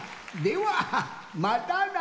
ではまたな！